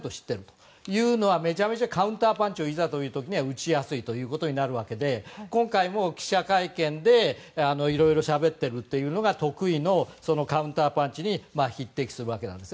そういうのはめちゃめちゃカウンターパンチをいざというときに打ちやすいということになるわけで今回も記者会見でいろいろしゃべっているのが得意のカウンターパンチに匹敵するわけなんです。